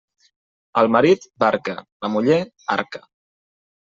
Al marit, barca; la muller, arca.